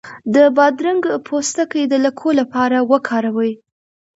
د بادرنګ پوستکی د لکو لپاره وکاروئ